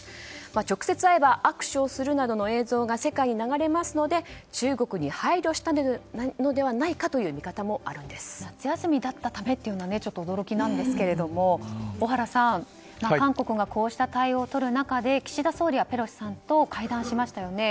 直接会えば握手をするなどの映像が世界に流れますので、中国に配慮したのではないかという夏休みだったためというのは驚きですが小原さん、韓国がこうした対応をとる中で岸田総理はペロシさんと会談しましたよね。